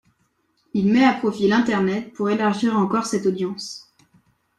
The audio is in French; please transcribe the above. Il met à profit l'Internet pour élargir encore cette audience.